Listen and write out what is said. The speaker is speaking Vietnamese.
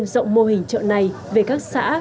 rộng mô hình chợ này về các xã